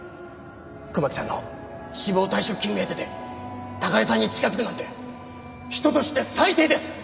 熊木さんの死亡退職金目当てで貴代さんに近づくなんて人として最低です。